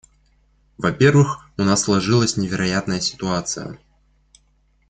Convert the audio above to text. Во-первых, у нас сложилась невероятная ситуация.